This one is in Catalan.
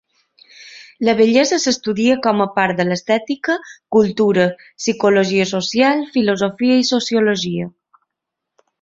La bellesa s'estudia com a part de l'estètica, cultura, psicologia social, filosofia i sociologia.